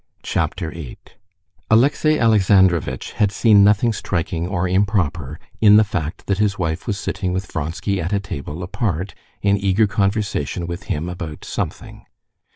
Chapter 8 Alexey Alexandrovitch had seen nothing striking or improper in the fact that his wife was sitting with Vronsky at a table apart, in eager conversation with him about something.